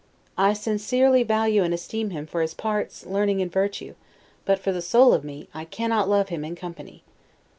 I sincerely value and esteem him for his parts, learning, and virtue; but, for the soul of me, I cannot love him in company.